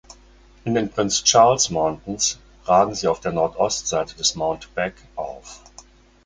In den Prince Charles Mountains ragen sie auf der Nordostseite des Mount Beck auf.